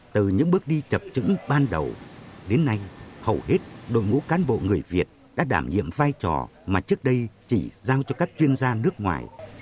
từ những bước đi chập trứng ban đầu đến nay hầu hết đội ngũ cán bộ người việt đã đảm nhiệm vai trò mà trước đây chỉ giao cho các chuyên gia nước ngoài